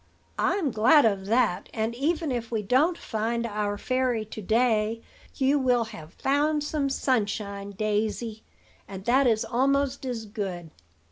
"I'm glad of that; and, even if we don't find our fairy to day, you will have found some sunshine, Daisy, and that is almost as good.